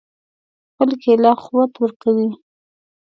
بلکې لا قوت ورکوي.